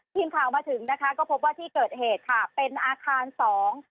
ทีมข่าวมาถึงนะคะก็พบว่าที่เกิดเหตุค่ะเป็นอาคารสอง